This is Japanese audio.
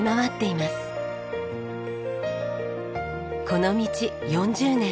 この道４０年。